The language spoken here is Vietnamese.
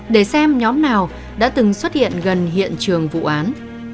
để xem nhóm nào đã từng xuất hiện gần hiện trường vụ án